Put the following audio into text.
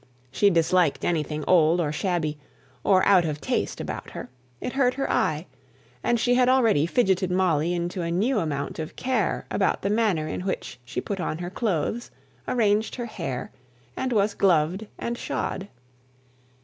She disliked anything old or shabby, or out of taste about her; it hurt her eye; and she had already fidgeted Molly into a new amount of care about the manner in which she put on her clothes, arranged her hair, and was gloved and shod.